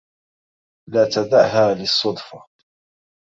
لا تدعها للصدفة.